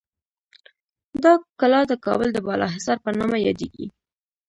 دا کلا د کابل د بالاحصار په نامه یادیږي.